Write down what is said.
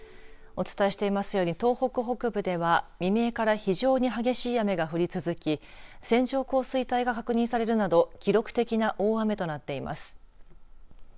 お伝えしていますように東北北部では未明から非常に激しい雨が降り続き線状降水帯が確認されるなど記録的な大雨となっています。